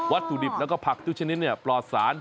วัตถุดิบแล้วก็ผักทุกชนิดนี่ปลอสาร